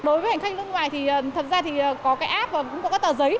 đối với hành khách nước ngoài thì thật ra thì có cái app và cũng có các tờ giấy